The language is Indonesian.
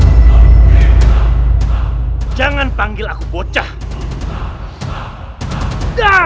kauconscious kalau kau mengalami tangan leopardung kadang berkelah hidup ini